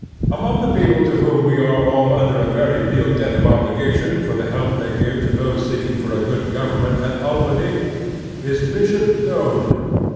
AMONG the people to whom we are all under a very real debt of obligation for the help they give to those seeking for good gov ernment at Albany is Bishop Doane.